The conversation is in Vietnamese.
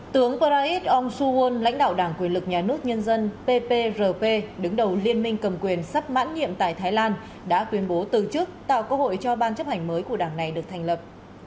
tướng parait ong suhul lãnh đạo đảng quyền lực nhà nước nhân dân pprp đứng đầu liên minh cầm quyền sắp mãn nhiệm tại thái lan đã quyên bố từ chức tạo cơ hội cho ban chấp hành mới của đảng này được thành lập